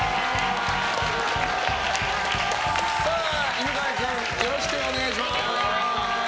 犬飼君、よろしくお願いします！